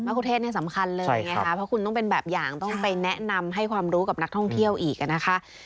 คุเทศเนี่ยสำคัญเลยไงคะเพราะคุณต้องเป็นแบบอย่างต้องไปแนะนำให้ความรู้กับนักท่องเที่ยวอีกนะคะ